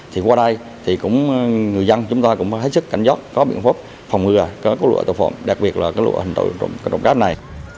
thì qua đây thì cũng người dân chúng ta cũng hết sức cảnh giác có biện pháp phòng ngừa có lựa tổ phổng đặc biệt là lựa hành tổng cát này